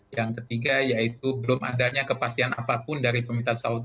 yang ketiga yaitu belum adanya kepastian apapun dari pemerintah saudi